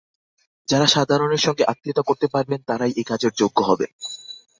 যাঁরা সাধারণের সঙ্গে আত্মীয়তা করতে পারবেন, তাঁরাই এ কাজের যোগ্য হবেন।